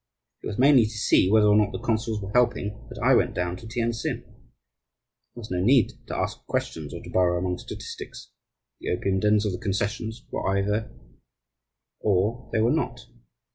It was mainly to see whether or not the consuls were "helping" that I went down to Tientsin. There was no need to ask questions or to burrow among statistics. The opium dens of the concessions were either or they were not.